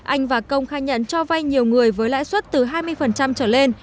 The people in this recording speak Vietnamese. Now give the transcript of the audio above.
anh và công khai nhận cho vay nhiều người với lãi suất từ hai mươi trở lên